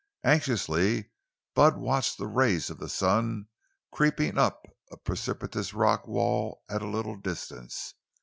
Anxiously Bud watched the rays of the sun creeping up a precipitous rock wall at a little distance.